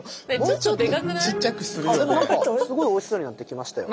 あっでも何かすごいおいしそうになってきましたよ。